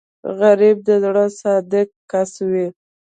غریب د زړه صادق کس وي